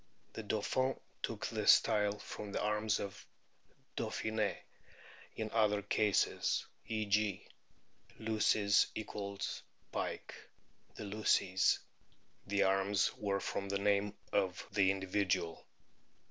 The Dauphin took his style from the arms of Dauphine* ; in other cases (e.g., Luces = pike, the Luceys) the arms were from the name of the individual.